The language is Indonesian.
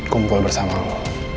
kumpul bersama lo